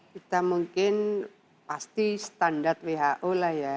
kita mungkin pasti standar who lah ya